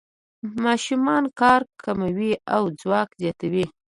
ماشینونه کار کموي او ځواک زیاتوي.